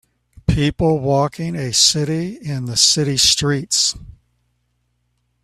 people walking a sitting in the city streets.